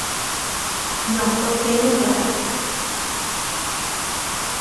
Non, eu téñoo claro.